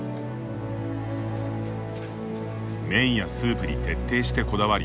麺やスープに徹底してこだわり